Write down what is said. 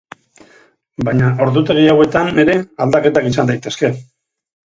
Baina ordutegi hauetan ere aldaketak izan daitezke.